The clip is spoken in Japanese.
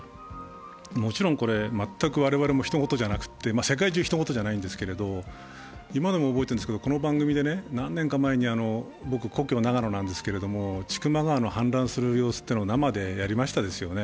もちろん全く、我々もひと事じゃなくて、世界中、ひと事じゃないんですけど今でも覚えているんですけど、この番組で何年か前に、僕、故郷、長野なんですけど、千曲川の氾濫する様子を生でやりましたよね。